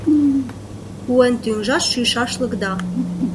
Куэн тӱҥжат шӱйшашлык да